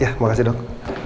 ya makasih dok